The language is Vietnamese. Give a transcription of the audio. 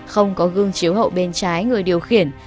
không có gương chiếu hậu bên trái người điều khiển